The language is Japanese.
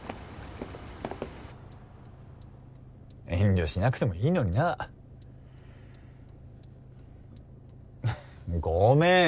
遠慮しなくてもいいのにな。ごめん！